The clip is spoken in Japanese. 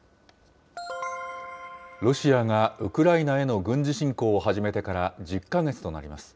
ロシアがウクライナへの軍事侵攻を始めてから１０か月となります。